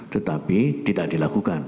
tetapi tidak dilakukan